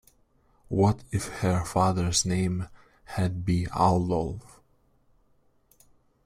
What if her father's name had been Adolf?